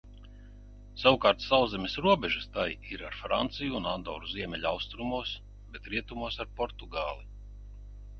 Savukārt sauszemes robežas tai ir ar Franciju un Andoru ziemeļaustrumos, bet rietumos ar Portugāli.